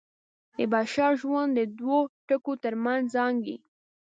د بشر ژوند د دوو ټکو تر منځ زانګي.